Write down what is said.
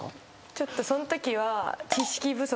ちょっとそのときは。